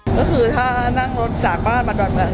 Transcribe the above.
ก็คือถ้านั่งรถจากบ้านมาดอนเมือง